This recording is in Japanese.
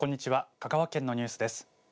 香川県のニュースです。